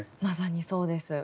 まさにそうです。